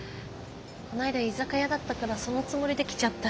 こないだ居酒屋だったからそのつもりで来ちゃった。